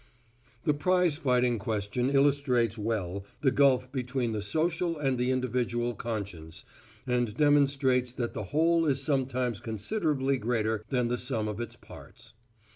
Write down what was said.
The prizefighting question illustrates well the gulf between the social and the individual conscience and demonstrates that the whole is sometimes considerably greater than the sum of its parts.